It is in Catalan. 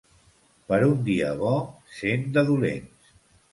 Per un dia bo, cent de dolents.